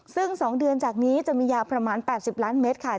ซึ่ง๒เดือนจากนี้จะมียาประมาณ๘๐ล้านเมตรค่ะ